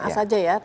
atau sma saja ya